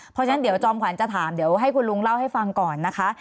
เพราะฉะนั้นเดี๋ยวจอมขวัญจะถามเดี๋ยวให้คุณลุงเล่าให้ฟังก่อนนะคะ